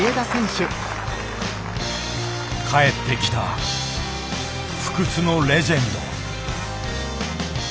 帰ってきた不屈のレジェンド。